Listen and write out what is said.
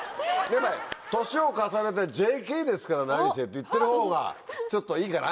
年を重ねて「ＪＫですから何せ」って言ってるほうがちょっといいかな？